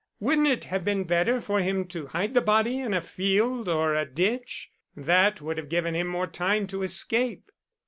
Wouldn't it have been better for him to hide the body in a field or a ditch? That would have given him more time to escape."